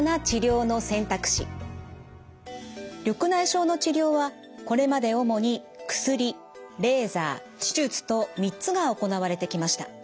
緑内障の治療はこれまで主に薬レーザー手術と３つが行われてきました。